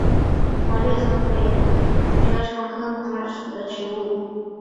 黄猄草为爵床科马蓝属的植物。